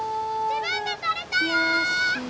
自分で取れたよ！